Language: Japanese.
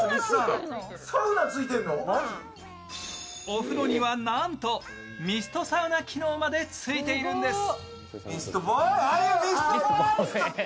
お風呂にはなんとミストサウナ機能までついているんです。